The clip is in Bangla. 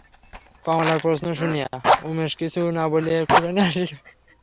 কমলার প্রশ্ন শুনিয়া উমেশ কিছু না বলিয়া একটুখানি হাসিল।